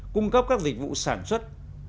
cung cấp các dịch vụ sản xuất